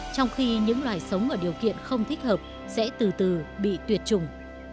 trong khi những loài sống ở điều kiện không thích hợp sẽ từ từ bị tuyệt chủng